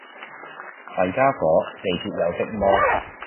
弊傢伙，地鐵有色魔